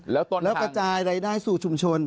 แล้วกระจายรายได้สู่ชุมชน